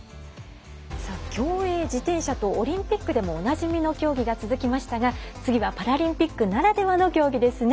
競泳、自転車とオリンピックでもおなじみの競技が続きましたが、次はパラリンピックならではの競技ですね。